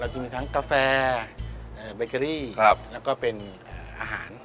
เรากินทั้งกาแฟเบเกอรี่ครับแล้วก็เป็นอาหาร